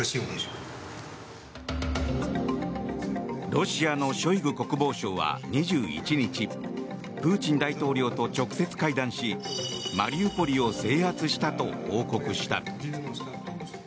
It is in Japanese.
ロシアのショイグ国防相は２１日プーチン大統領と直接会談しマリウポリを制圧したと報告した。